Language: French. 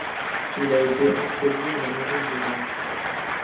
Il a été introduit en Amérique du Nord.